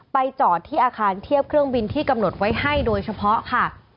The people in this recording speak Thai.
จอดที่อาคารเทียบเครื่องบินที่กำหนดไว้ให้โดยเฉพาะค่ะ